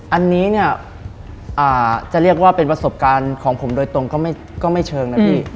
อันนี้เนี่ยจะเรียกว่าเป็นประสบการณ์ของผมโดยตรงก็ไม่เชิงนะพี่